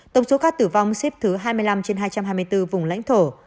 tổng số ca tử vong xếp thứ hai mươi năm trên hai trăm hai mươi bốn vùng lãnh thổ